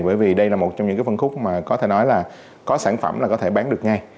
bởi vì đây là một trong những cái phân khúc mà có thể nói là có sản phẩm là có thể bán được ngay